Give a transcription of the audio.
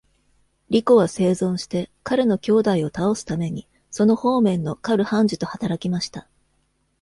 リコは生存して、彼の兄弟を倒すためにその方面のカル判事と働きました。